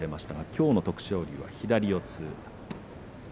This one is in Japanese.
きょうの徳勝龍は左四つ。